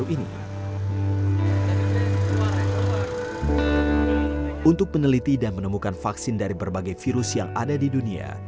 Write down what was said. untuk peneliti dan menemukan vaksin dari berbagai virus yang ada di dunia